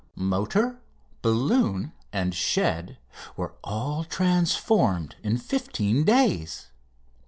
Motor, balloon, and shed were all transformed in fifteen days.